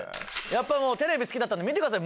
テレビ好きだったんで見てください！